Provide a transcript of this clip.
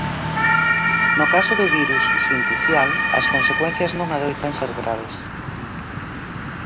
No caso do virus sinticial, as consecuencias non adoitan ser graves.